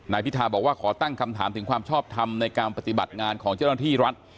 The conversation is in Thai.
พิธาบอกว่าขอตั้งคำถามถึงความชอบทำในการปฏิบัติงานของเจ้าหน้าที่รัฐ